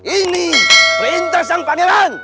ini perintah sang panggilan